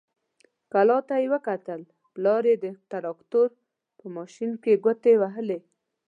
کلا ته يې وکتل، پلار يې د تراکتور په ماشين کې ګوتې وهلې.